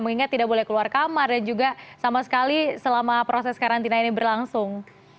mengingat tidak boleh keluar kamar dan juga sama sekali selama proses karantina ini berlangsung